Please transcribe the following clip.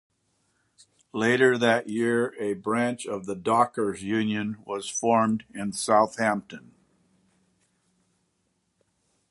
Later that year, a branch of the Dockers' Union was formed in Southampton.